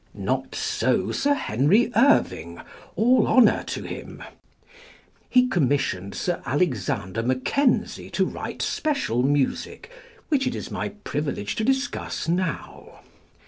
Not so Sir Henry Irving, all honour to him. He commissioned +Sir Alexander Mackenzie+ to write special music, which it is my privilege to discuss now.